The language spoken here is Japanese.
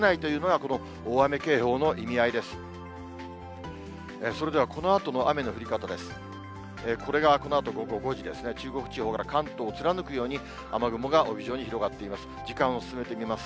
これがこのあと午後５時ですね、中国地方から関東を貫くように、雨雲が帯状に広がっています。